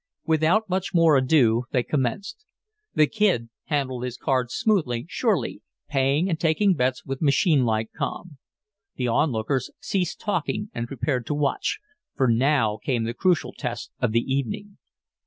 Without more ado they commenced. The Kid handled his cards smoothly, surely, paying and taking bets with machine like calm. The on lookers ceased talking and prepared to watch, for now came the crucial test of the evening.